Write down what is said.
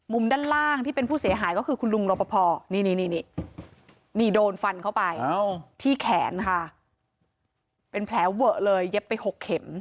ด้านล่างที่เป็นผู้เสียหายก็คือคุณลุงรปภนี่นี่โดนฟันเข้าไปที่แขนค่ะเป็นแผลเวอะเลยเย็บไป๖เข็ม